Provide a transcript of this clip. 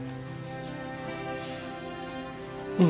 うん。